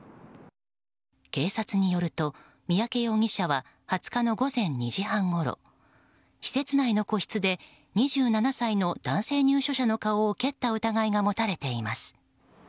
警察によると、三宅容疑者は２０日の午前２時半ごろ施設内の個室で２７歳の男性入所者の顔を蹴った疑いが持たれています。